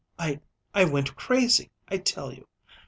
I I went crazy, I tell you.